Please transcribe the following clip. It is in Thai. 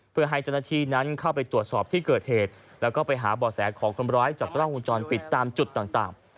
เพื่อให้เจ้าหน้าที่นั้นเข้าไปตรวจสอบที่เกิดเหตุแล้วก็ไปหาบ่อแสของคนร้ายจากกล้องวงจรปิดตามจุดต่าง